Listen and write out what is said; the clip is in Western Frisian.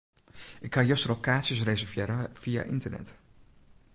Ik ha juster al kaartsjes reservearre fia ynternet.